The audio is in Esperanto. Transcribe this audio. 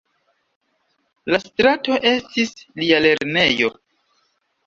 La strato estis lia lernejo.